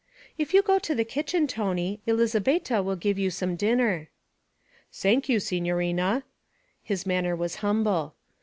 'If you go to the kitchen, Tony, Elizabetta will give you some dinner.' 'Sank you, signorina.' His manner was humble.